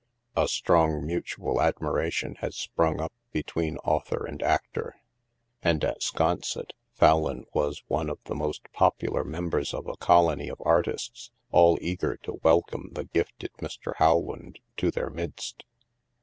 A strong mutual admira tion had sprung up between author and actor. And at Sconset, Fallon was one of the most popular members of a colony of artists, all eager to welcome the gifted Mr. Rowland to their midst.